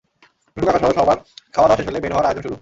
নুরু কাকাসহ সবার খাওয়া দাওয়া শেষ হলে বের হওয়ার আয়োজন শুরু।